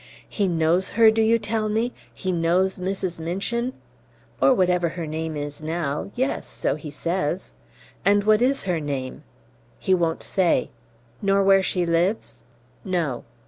"He knows her, do you tell me? He knows Mrs. Minchin " "Or whatever her name is now; yes; so he says." "And what is her name?" "He won't say." "Nor where she lives?" "No."